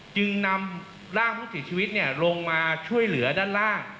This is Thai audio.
จึงนำร่างผู้เสียชีวิตลงมาช่วยเหลือด้านล่าง